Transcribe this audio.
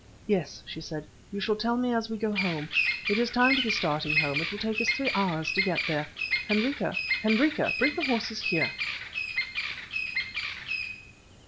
"Yes," she said, "you shall tell me as we go home. It is time to be starting home, it will take us three hours to get there. Hendrika, Hendrika, bring the horses here!"